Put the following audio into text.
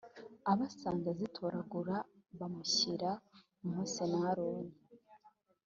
abasanze azitoragura bamushyira mose na aroni.